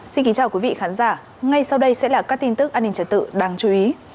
xin kính chào quý vị khán giả ngay sau đây sẽ là các tin tức an ninh trật tự đáng chú ý